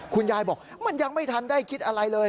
คุณยายบอกมันยังไม่ทันได้คิดอะไรเลย